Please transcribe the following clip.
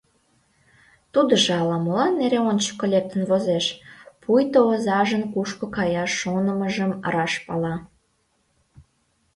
Тудыжо ала-молан эре ончыко лектын возеш, пуйто озажын кушко каяш шонымыжым раш пала.